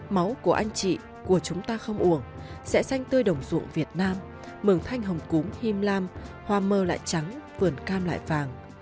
máu của anh chị của chúng ta không uổng sẽ xanh tươi đồng ruộng việt nam mường thanh hồng cúm him lam hoa mơ lại trắng vườn cam lại vàng